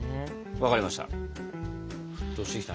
分かりました。